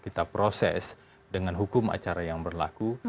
kita proses dengan hukum acara yang berlaku